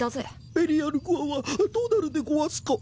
ベリアル・ゴアはどうなるでゴワスか？